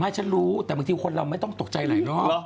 ฉันรู้แต่บางทีคนเราไม่ต้องตกใจหลายรอบ